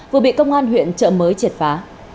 vừa bị công an huyện chợ mới triệt phá